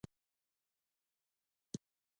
د میرمنو کار او تعلیم مهم دی ځکه چې کورنۍ پلان ښه کوي.